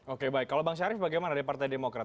oke baik kalau bang syarif bagaimana dari partai demokrat